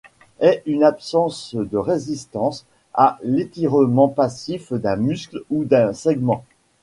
Est une absence de résistance à l’étirement passif d’un muscle ou d’un segment.